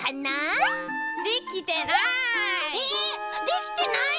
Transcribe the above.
できてない！